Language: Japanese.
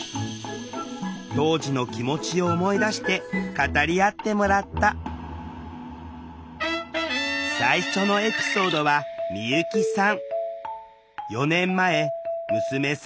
当時の気持ちを思い出して語り合ってもらった最初のエピソードは美由紀さん。